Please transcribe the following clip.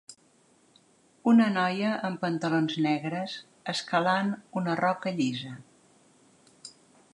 Una noia amb pantalons negres escalant una roca llisa.